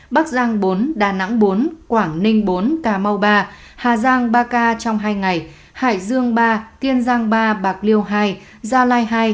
bắc giang bốn đà nẵng bốn quảng ninh bốn cà mau ba hà giang ba ca trong hai ngày hải dương ba kiên giang ba bạc liêu hai gia lai hai